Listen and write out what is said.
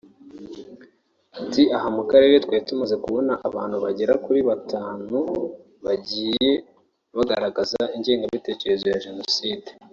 Ati “Aha mu karere twari tumaze kubona abantu bagera kuri batanu bagiye bagaragaza ingengabitekerezo ya Jenoside